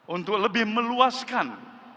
untuk lebih meluaskan